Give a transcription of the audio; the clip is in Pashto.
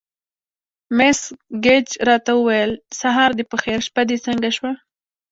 مس ګېج راته وویل: سهار دې په خیر، شپه دې څنګه شوه؟